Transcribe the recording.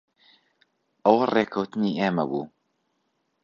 ئەوە ڕێککەوتنی ئێمە بوو.